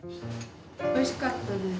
おいしかったです。